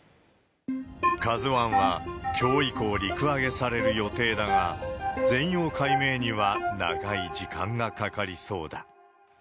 ＫＡＺＵＩはきょう以降、陸揚げされる予定だが、全容解明には長い時間がかかりそうだ。